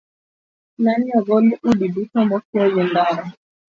Ne ni ogol udi duto mokiewo gi ndara.